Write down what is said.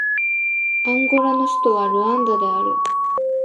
アンゴラの首都はルアンダである